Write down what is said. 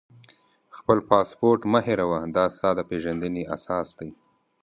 خپل پاسپورټ مه هېروه، دا ستا د پېژندنې اساس دی.